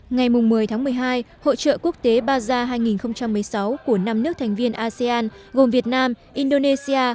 ngày một mươi tháng một mươi hai hội trợ quốc tế baza hai nghìn một mươi sáu của năm nước thành viên asean gồm việt nam indonesia